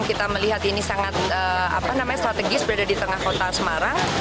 kita melihat ini sangat strategis berada di tengah kota semarang